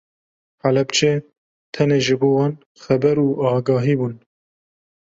Helepçe tenê ji bo wan xeber û agahî bûn.